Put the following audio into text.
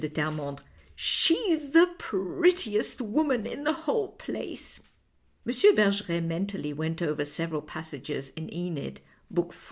de Terrcmondre, " she's the prettiest woman in the whole place." M. Bergeret mentally went over several passages in /Eneid, Book IV.